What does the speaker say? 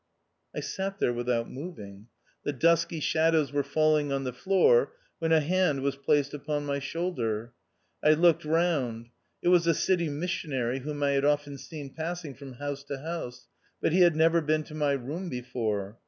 I sat there without moving. The dusky shadows were falling on the floor when a hand was placed upon my shoulder. 1 looked round. It was a City Missionary whom I had often seen passing from house to house ; but he had never been to my room before.